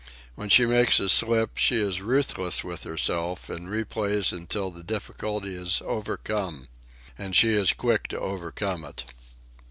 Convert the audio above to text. When she makes a slip she is ruthless with herself, and replays until the difficulty is overcome. And she is quick to overcome it.